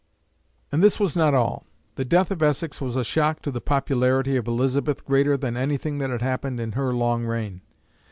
And this was not all. The death of Essex was a shock to the popularity of Elizabeth greater than anything that had happened in her long reign.